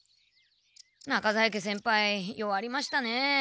中在家先輩弱りましたね。